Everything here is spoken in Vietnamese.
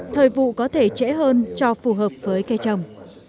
thời vụ có thể trễ hơn cho phù hợp với cây trồng